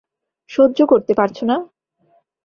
সহ্য করতে পারছ না?